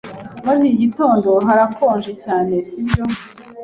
Muri iki gitondo harakonje cyane, sibyo?